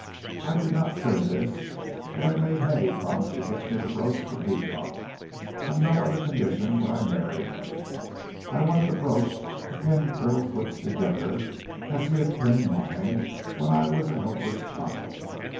I did not say this, but I made Hay promise to get me the brooch from Beecot on no other condition would I marry him. I wanted the brooch to pin Krill's lips together as he had pinned mine, when I was a helpless child.